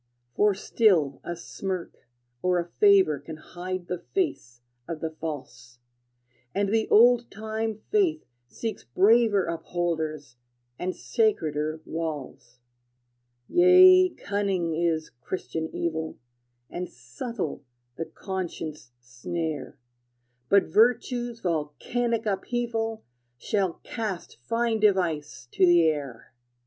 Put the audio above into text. For still a smirk or a favor Can hide the face of the false; And the old time Faith seeks braver Upholders, and sacreder walls. Yea, cunning is Christian evil, And subtle the conscience' snare; But virtue's volcanic upheaval Shall cast fine device to the air!